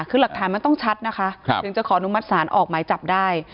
คือหลักฐานมันต้องชัดนะคะถึงจะขออนุมัติศาลออกหมายจับได้